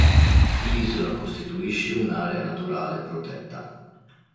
L'isola costituisce un'area naturale protetta.